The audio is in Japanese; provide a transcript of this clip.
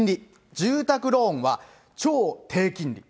住宅ローンは超低金利。